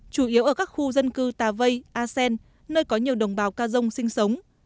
chủ yếu ở các khu dân cư tà vây a sen nơi có nhiều đồng bào ca dông sinh sống